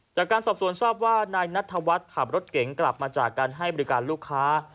จากการสอบสวนทราบว่านายนัทธวัฒน์ขับรถเก๋งกลับมาจากการให้บริการลูกค้า